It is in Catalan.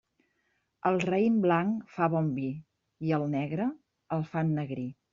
El raïm blanc fa bon vi i el negre el fa ennegrir.